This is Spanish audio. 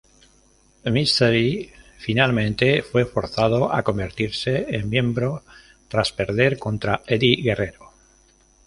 Mysterio finalmente fue forzado a convertirse en miembro tras perder contra Eddie Guerrero.